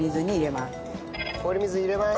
氷水に入れます。